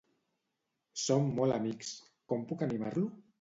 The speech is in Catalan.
Som molt amics, com puc animar-lo?